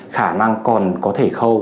khả năng còn có thể khâu